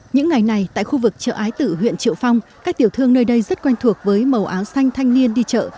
những ngày này tại khu vực chợ ái tử huyện triệu phong các tiểu thương nơi đây rất quen thuộc với màu áo xanh thanh niên đi chợ